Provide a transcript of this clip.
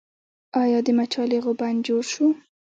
آیا د مچالغو بند جوړ شو؟